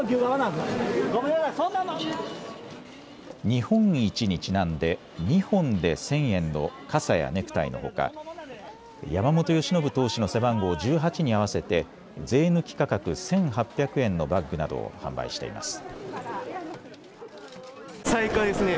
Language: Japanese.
日本一にちなんで２本で１０００円の傘やネクタイのほか山本由伸投手の背番号１８に合わせて税抜き価格１８００円のバッグなどを販売しています。